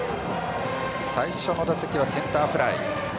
最初の打席はセンターフライ。